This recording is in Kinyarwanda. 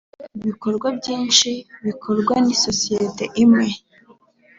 iyo ibikorwa byinshi bikorwa n isosiyete imwe